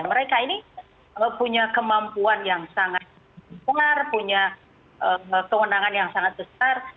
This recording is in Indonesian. mereka ini punya kemampuan yang sangat besar punya kewenangan yang sangat besar